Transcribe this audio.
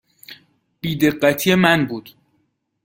بی دقتی من بود.